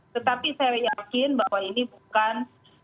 tetapi saya yakin bahwa ini bukan